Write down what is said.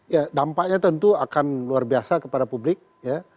ya dampaknya tentu akan luar biasa kepada publik ya